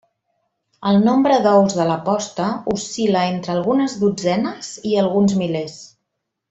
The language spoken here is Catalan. El nombre d'ous de la posta oscil·la entre algunes dotzenes i alguns milers.